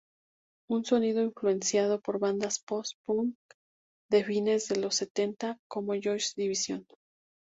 Un sonido influenciado por bandas Post-punk de fines de los setenta, como Joy Division.